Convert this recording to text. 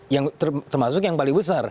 yang termasuk yang paling besar